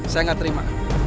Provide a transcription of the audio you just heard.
saya gak terima